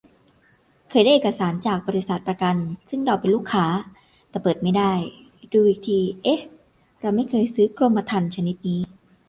เคยได้เอกสารจากบ.ประกันซึ่งเราเป็นลูกค้า แต่เปิดไม่ได้ ดูอีกที เอ๊ะ เราไม่เคยซื้อกรมธรรม์ชนิดนี้